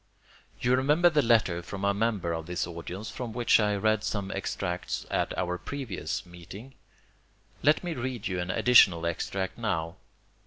You remember the letter from a member of this audience from which I read some extracts at our previous meeting. Let me read you an additional extract now.